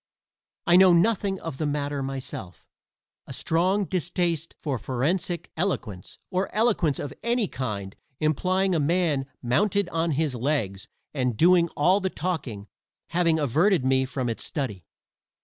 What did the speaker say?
I know nothing of the matter myself, a strong distaste for forensic eloquence, or eloquence of any kind implying a man mounted on his legs and doing all the talking, having averted me from its study.